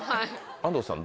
安藤さん